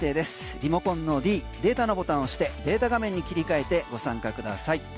リモコンのｄデータのボタン押してデータ画面に切り替えてご参加ください。